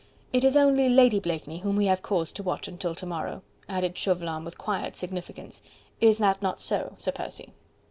"It is only Lady Blakeney whom we have cause to watch until to morrow," added Chauvelin with quiet significance. "Is that not so, Sir Percy?"